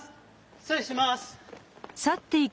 失礼します！